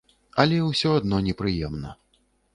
Але ўсё адно непрыемна.